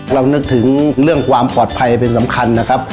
นึกถึงเรื่องความปลอดภัยเป็นสำคัญนะครับ